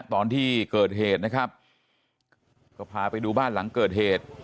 ตอนที่เกิดเหตุนะครับก็พาไปดูบ้านหลังเกิดเหตุ